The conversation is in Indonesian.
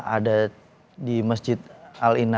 ada di masjid al ina